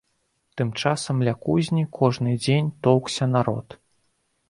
Тым часам ля кузні кожны дзень тоўкся народ.